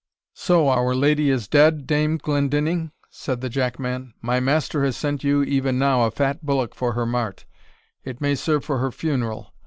"So, our lady is dead, Dame Glendinning?" said the jack man; "my master has sent you even now a fat bullock for her mart it may serve for her funeral.